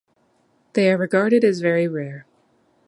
They are regarded as very rare.